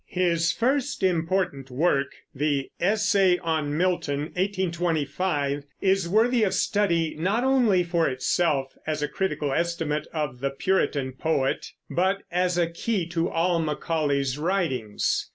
His first important work, the Essay on Milton (1825), is worthy of study not only for itself, as a critical estimate of the Puritan poet, but as a key to all Macaulay's writings.